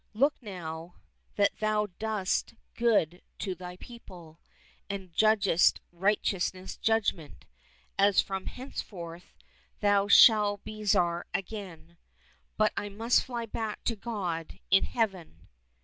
Look now, that thou doest good to thy people, and judgest righteous judgment, as from henceforth thou shalt be Tsar again, but I must fly back to God in heaven."